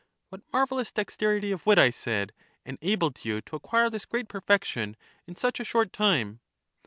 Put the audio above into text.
What marvellous dexterity of wit, I said, enabled you to acquire this great perfection in such a short time?